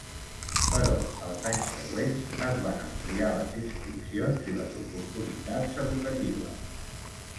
Però els anys següents, es van ampliar les inscripcions i les oportunitats educatives.